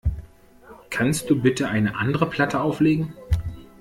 Kannst du bitte eine andere Platte auflegen?